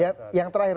ya yang terakhir